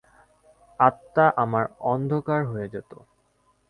আত্মা আমার অন্ধকার হয়ে যেত।